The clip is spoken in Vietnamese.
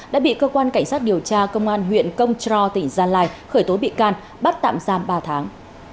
đã bị cơ quan cảnh sát điều tra công an huyện công tró tỉnh gia lai khởi tố bị can bắt tạm giam ba tháng